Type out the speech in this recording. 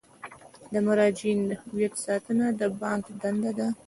د مراجعینو د هویت ساتنه د بانک دنده ده.